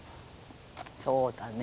そうだね。